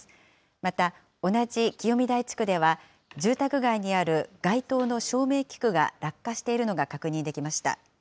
また、同じ清見台地区では、住宅街にある街灯の照明器具が落下しているのが確認できました。